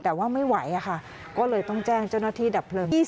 แต่ว่าไม่ไหวอะค่ะก็เลยต้องแจ้งเจ้าหน้าที่ดับเพลิง